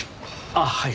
あっはい。